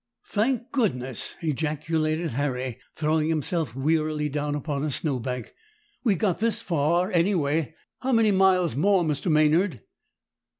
"Thank goodness!" ejaculated Harry, throwing himself wearily down upon a snow bank, "we've got thus far anyway. How many miles more, Mr. Maynard?"